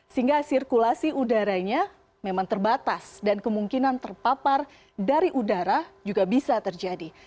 sehingga sirkulasi udaranya memang terbatas dan kemungkinan terpapar dari udara juga bisa terjadi